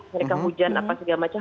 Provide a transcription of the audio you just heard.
mereka hujan apa segala macam